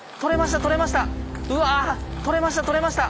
うわ取れました取れました！